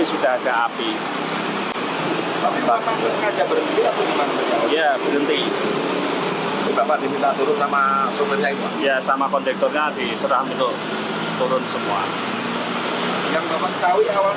yang bapak tahu awalnya terbakar di bagian mana